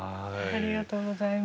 ありがとうございます。